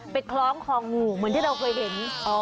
คล้องคองูเหมือนที่เราเคยเห็น